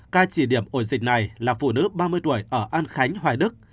ca chỉ điểm ổ dịch này là phụ nữ ba mươi tuổi ở an khánh hoài đức